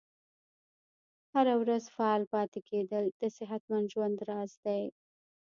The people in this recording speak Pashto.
هره ورځ فعال پاتې کیدل د صحتمند ژوند راز دی.